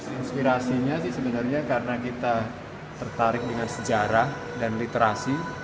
inspirasinya sih sebenarnya karena kita tertarik dengan sejarah dan literasi